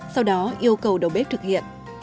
sau đó yêu cầu đầu bếp thực hiện